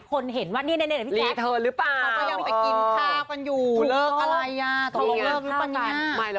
คุณยังไปกินข้าวกันอยู่เลิกอะไรต้องเลิกหรือเปล่านี้